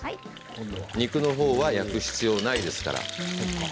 肉のほうは焼く必要がないですから。